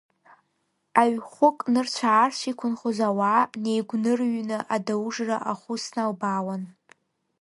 Аҩхәык нырцә-аарцә иқәынхоз ауаа неигәнырҩны Адаужра ахәы сналбаауан.